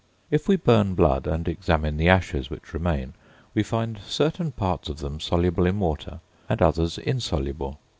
If we burn blood and examine the ashes which remain, we find certain parts of them soluble in water, and others insoluble.